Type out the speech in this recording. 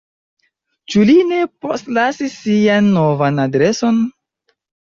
Ĉu li ne postlasis sian novan adreson?